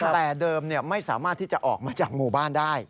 แต่เดิมไม่สามารถที่จะออกมาจากหมู่บ้านได้